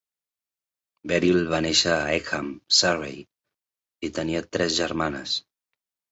Beryl va néixer a Egham, Surrey, i tenia tres germanes.